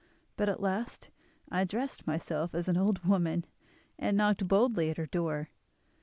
But at last I dressed myself as an old woman, and knocked boldly at her door.